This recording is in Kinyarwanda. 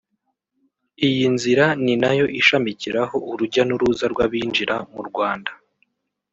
Iyi nzira ni nayo ishamikiraho urujya n’uruza rw’abinjira mu Rwanda